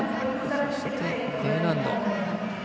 そしてＤ難度。